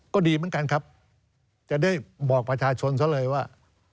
ก็ดีเหมือนกันครับจะได้บอกประชาชนซะเลยว่า